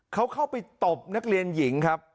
เขาเข้าไปตบนักเรียนหญิงครับ